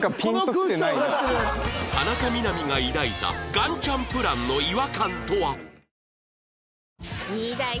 田中みな実が抱いた岩ちゃんプランの違和感とは？